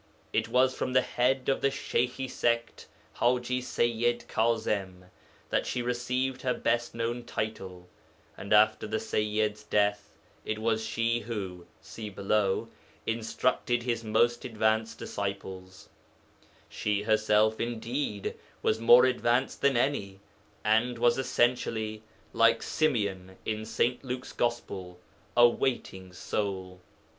It was from the head of the Sheykhi sect (Haji Sayyid Kaẓim) that she received her best known title, and after the Sayyid's death it was she who (see below) instructed his most advanced disciples; she herself, indeed, was more advanced than any, and was essentially, like Symeon in St. Luke's Gospel, a waiting soul.